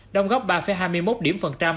đồng góp ba hai mươi một điểm phần trăm